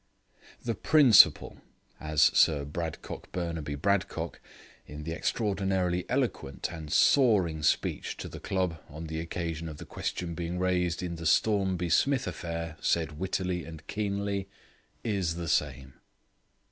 The principle (as Sir Bradcock Burnaby Bradcock, in the extraordinarily eloquent and soaring speech to the club on the occasion of the question being raised in the Stormby Smith affair, said wittily and keenly) is the same.